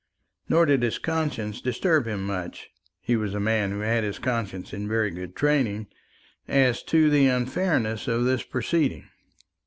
Nor did his conscience disturb him much he was a man who had his conscience in very good training as to the unfairness of this proceeding.